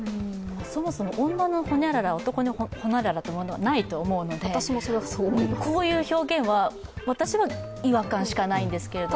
そもそも女のホニャララ、男のホニャララというものはないと思うので、こういう表現は、私は違和感しかないんですけれども。